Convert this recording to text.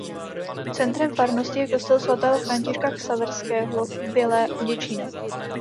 Centrem farnosti je kostel svatého Františka Xaverského v Bělé u Děčína.